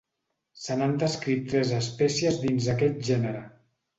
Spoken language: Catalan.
Se n'han descrit tres espècies dins aquest gènere.